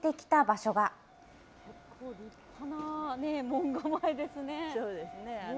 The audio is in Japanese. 立派な門構えですね。